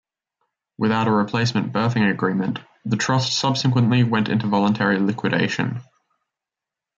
Without a replacement berthing agreement, the Trust subsequently went into voluntary liquidation.